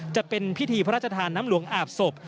จะเป็นพิธีพระราชทานน้ำหลวงอาบศพ